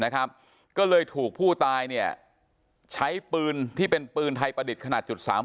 ก็เลยถูกผู้ตายเนี่ยใช้ปืนที่เป็นปืนไทยประดิษฐ์ขนาด๓๘